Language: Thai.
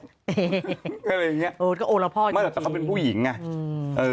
อะไรอย่างเงี้ยเออก็โอละพ่ออยู่ไม่แต่เขาเป็นผู้หญิงไงอืมเออ